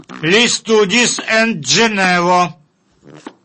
Li studis en Ĝenovo.